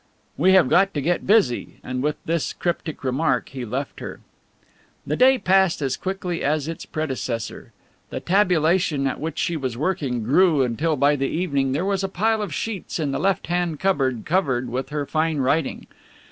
"We have got to get busy," and with this cryptic remark he left her. The day passed as quickly as its predecessor. The tabulation at which she was working grew until by the evening there was a pile of sheets in the left hand cupboard covered with her fine writing.